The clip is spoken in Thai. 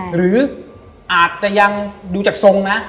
หรืออาจจะยังดูจากทรงนะ